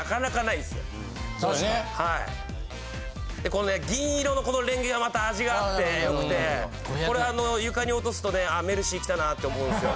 この銀色のレンゲがまた味があって良くてこれ床に落とすとねメルシー来たなって思うんすよ。